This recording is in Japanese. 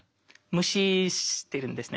無視してるんですね